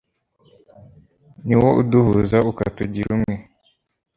ni wo uduhuza, ukatugira umwe